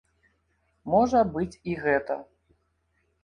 Можа быць і гэта.